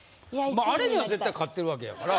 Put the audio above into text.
あれには絶対勝ってるわけやから。